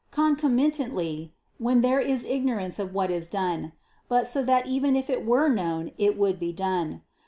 "Concomitantly," when there is ignorance of what is done; but, so that even if it were known, it would be done.